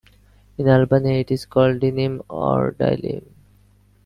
In Albania it is called dynym or dylym.